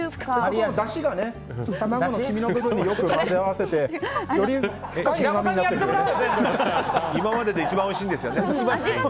だしがね卵の黄身の部分によく混ぜ合わせて今までで一番おいしいんですよね。